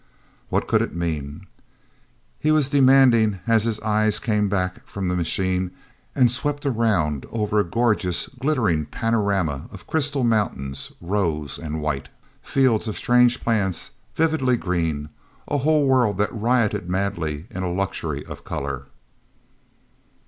"What could it mean?" he was demanding as his eyes came back from the machine and swept around over a gorgeous, glittering panorama of crystal mountains, rose and white. Fields of strange plants, vividly green; a whole world that rioted madly in a luxury of color.